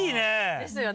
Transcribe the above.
ですよね